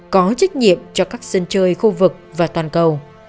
có trách nhiệm cho các sân chơi khu vực và toàn cầu